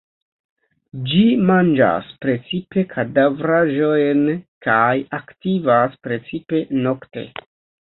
Ĝi manĝas precipe kadavraĵojn kaj aktivas precipe nokte.